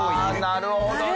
なるほど！